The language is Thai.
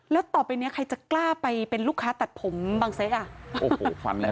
แล้วต่อไปนี้ใครจะกล้าไปเป็นลูกค้าตัดผมบางเศษอ่ะ